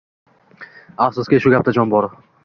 Afsuski, shu gapda jon bor.